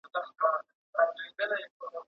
¬ تبه زما ده، د بدن شمه ستا ختلې ده.